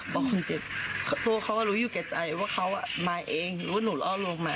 บอกคุณเจ็บบอกเขาว่ารู้อยู่แก่ใจว่าเขาอ่ะมาเองหรือว่าหนูล่อลวงมา